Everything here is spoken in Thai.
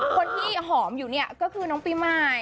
คนที่หอมอยู่เนี่ยก็คือน้องปีใหม่